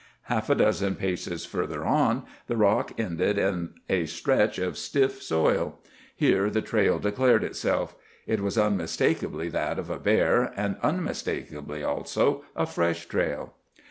Half a dozen paces further on the rock ended in a stretch of stiff soil. Here the trail declared itself. It was unmistakably that of a bear, and unmistakably, also, a fresh trail.